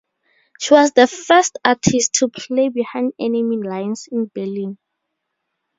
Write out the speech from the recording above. She was the first artist to play behind enemy lines in Berlin.